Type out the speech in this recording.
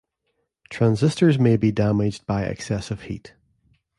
Transistors may be damaged by excessive heat.